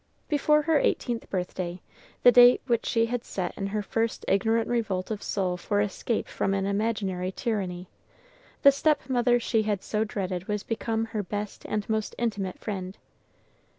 Before her eighteenth birthday, the date which she had set in her first ignorant revolt of soul for escape from an imaginary tyranny, the stepmother she had so dreaded was become her best and most intimate friend.